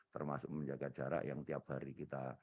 termasuk menjaga jarak yang tiap hari kita